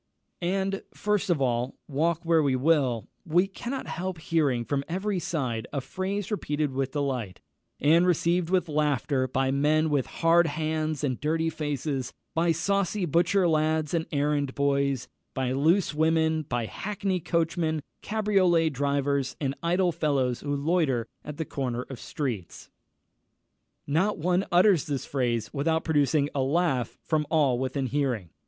And, first of all, walk where we will, we cannot help hearing from every side a phrase repeated with delight, and received with laughter, by men with hard hands and dirty faces, by saucy butcher lads and errand boys, by loose women, by hackney coachmen, cabriolet drivers, and idle fellows who loiter at the corners of streets. Not one utters this phrase without producing a laugh from all within hearing.